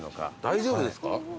大丈夫ですか？